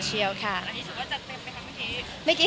อันนี้ส่วนที่ว่าจะเต็มไหมครับเมื่อกี้